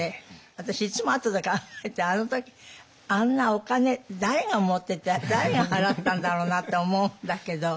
私いつも後で考えてあの時あんなお金誰が持ってて誰が払ったんだろうなって思うんだけど。